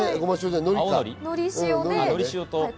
のり塩か。